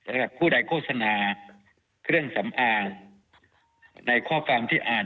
สำหรับผู้ใดโฆษณาเครื่องสำอางในข้อความที่อ่าน